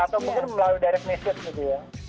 atau mungkin melalui direct message gitu ya